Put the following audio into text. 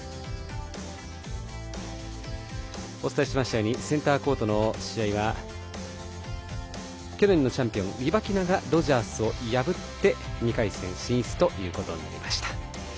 お伝えしましたようにセンターコートの試合は去年のチャンピオンリバキナがロジャースを破って２回戦進出となりました。